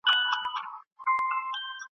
په ادبي بحثونو کې د متن تحلیل کېږي.